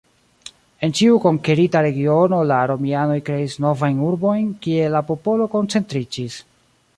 En ĉiu konkerita regiono la romianoj kreis novajn urbojn, kie la popolo koncentriĝis.